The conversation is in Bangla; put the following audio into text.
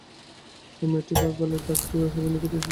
এই মেয়েটির বা গালের কাটা দাগটাও ছবিতে নিখুঁত এসেছে।